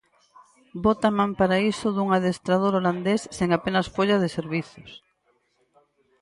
Bota man para iso dun adestrador holandés sen apenas folla de servizos.